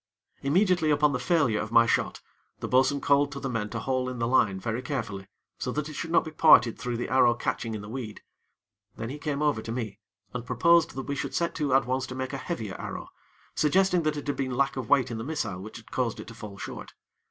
Immediately upon the failure of my shot, the bo'sun called to the men to haul in the line very carefully, so that it should not be parted through the arrow catching in the weed; then he came over to me, and proposed that we should set to at once to make a heavier arrow, suggesting that it had been lack of weight in the missile which had caused it to fall short.